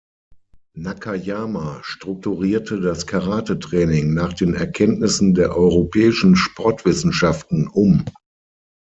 Nakayama strukturierte das Karate-Training nach den Erkenntnissen der europäischen Sportwissenschaften um.